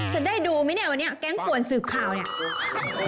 จะได้ดูไหมเนี่ยวันนี้แก๊งป่วนสืบข่าวเนี่ย